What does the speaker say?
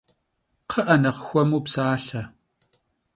Kxhı'e, nexh xuemu psalhe!